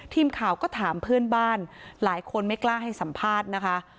ทีมข่าวก็ถามเพื่อนบ้านหลายคนไม่กล้าให้สัมภาษณ์นะคะ